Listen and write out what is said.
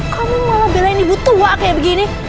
kamu malah belain ibu tua kayak begini